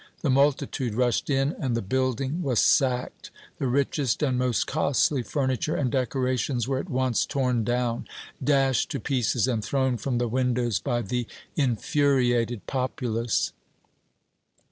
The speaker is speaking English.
The multitude rushed in, and the building was sacked. The richest and most costly furniture and decorations were at once torn down, dashed to pieces and thrown from the windows by the infuriated populace.